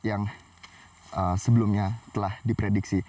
yang sebelumnya telah diprediksi